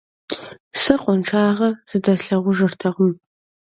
Сэ къуаншагъэ зыдэслъагъужыртэкъым.